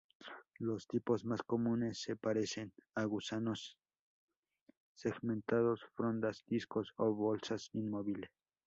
Los tipos más comunes se parecen a gusanos segmentados, frondas, discos o bolsas inmóviles.